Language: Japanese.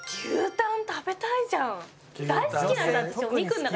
大好きなんです私。